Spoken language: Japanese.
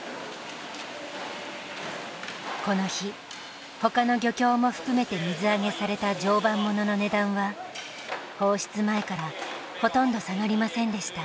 この日他の漁協も含めて水揚げされた常磐ものの値段は放出前からほとんど下がりませんでした。